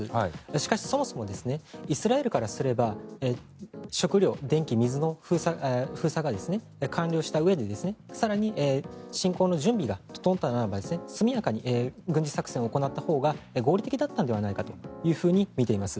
しかし、そもそもイスラエルからすれば食料、電気、水の封鎖が完了したうえで更に侵攻の準備が整ったならば速やかに軍事作戦を行ったほうが合理的だったのではないかとみています。